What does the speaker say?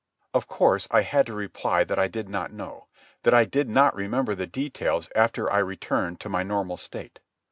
Of course I had to reply that I did not know, that I did not remember the details after I returned to my normal state.